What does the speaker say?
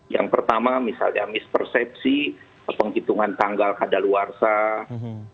yang pertama misalnya mispersepsi penghitungan tanggal kadar luar sah